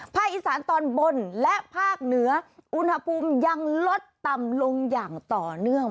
อีสานตอนบนและภาคเหนืออุณหภูมิยังลดต่ำลงอย่างต่อเนื่อง